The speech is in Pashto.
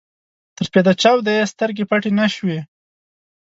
تر سپېده چاوده يې سترګې پټې نه شوې.